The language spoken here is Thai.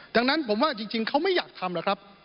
ดังนั้นผมว่าจริงเขาไม่อยากทำหรอกครับ